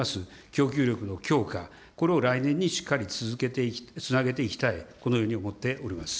供給力の強化、これを来年にしっかりつなげていきたい、このように思っておりま